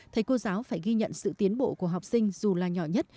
thầy cô giáo phải ghi nhận sự tiến bộ của học sinh dù là nhỏ nhất